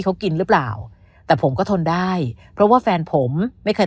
เขากินหรือเปล่าแต่ผมก็ทนได้เพราะว่าแฟนผมไม่เคย